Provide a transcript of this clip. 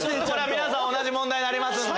皆さん同じ問題になりますので。